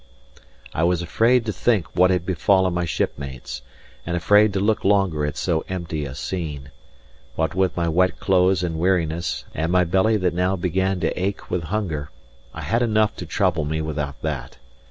I was afraid to think what had befallen my shipmates, and afraid to look longer at so empty a scene. What with my wet clothes and weariness, and my belly that now began to ache with hunger, I had enough to trouble me without that.